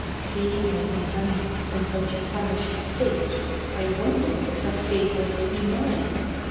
Seeing my companions in such a famished state I wondered if that fate was to be mine.